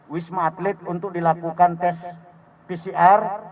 wisma atlet untuk dilakukan tes pcr